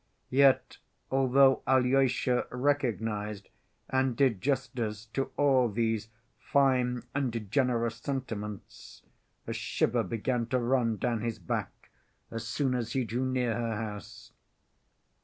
Yet, although Alyosha recognized and did justice to all these fine and generous sentiments, a shiver began to run down his back as soon as he drew near her house.